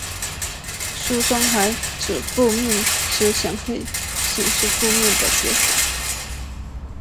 书中还指负面思想会显示负面的结果。